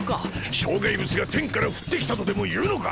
障害物が天から降って来たとでも言うのか？